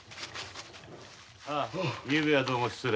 あゆうべはどうも失礼。